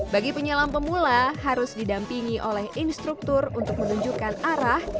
bagi penyelam pemula harus didampingi oleh instruktur untuk menunjukkan arah